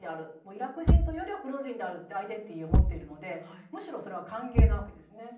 イラク人というよりはクルド人だというアイデンティティーを持っているのでそれは歓迎なんですね。